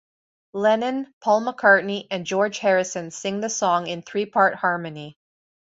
Lennon, Paul McCartney, and George Harrison sing the song in three-part harmony.